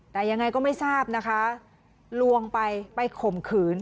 แต่ยังไงก็ไม่ทราบนะคะลวงไปไปข่มขืน